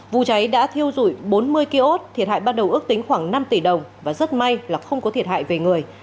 vụ cháy đã thiêu dụi bốn mươi kiosk thiệt hại ban đầu ước tính khoảng năm tỷ đồng và rất may là không có thiệt hại về người